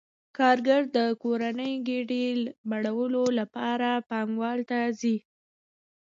کارګر د کورنۍ ګېډې مړولو لپاره پانګوال ته ځي